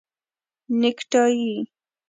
👔 نیکټایې